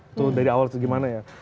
itu dari awal itu gimana ya